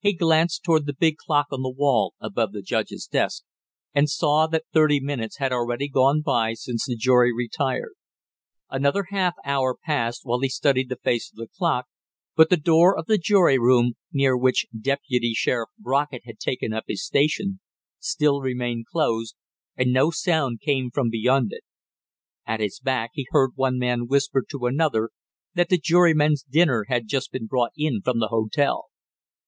He glanced toward the big clock on the wall above the judge's desk and saw that thirty minutes had already gone by since the jury retired. Another half hour passed while he studied the face of the clock, but the door of the jury room, near which Deputy sheriff Brockett had taken up his station, still remained closed and no sound came from beyond it. At his back he heard one man whisper to another that the jurymen's dinner had just been brought in from the hotel.